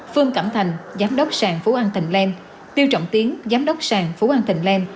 phương cẩm thành giám đốc sàng phú an thịnh lan tiêu trọng tiến giám đốc sàng phú an thịnh lan